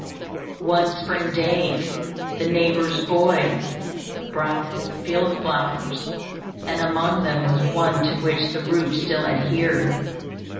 One spring day the neighbor's boy brought him some field flowers, and among them was one to which the root still adhered.